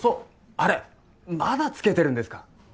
あれまだつけてるんですか？